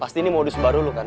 pasti ini modus baru lu kan